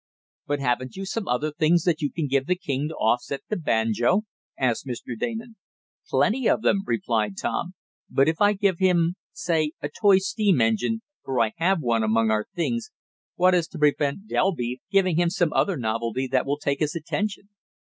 "But haven't you some other things you can give the king to off set the banjo?" asked Mr. Damon. "Plenty of them," replied Tom. "But if I give him say a toy steam engine, for I have one among our things what is to prevent Delby giving him some other novelty that will take his attention?